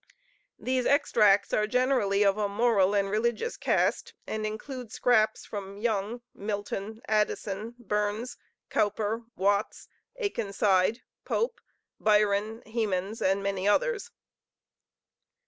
These extracts are generally of a moral and religious caste, and include scraps from Young, Milton, Addison, Burns, Cowper, Watts, Akenside, Pope, Byron, Hemans, and many others.